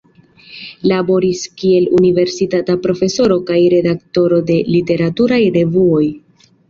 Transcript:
Laboris kiel universitata profesoro kaj redaktoro de literaturaj revuoj.